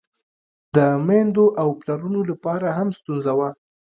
د میندو او پلرونو له پاره هم ستونزه وه.